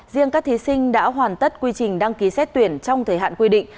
riêng các thí sinh đã hoàn tất quy trình đăng ký xét tuyển trong thời hạn quy định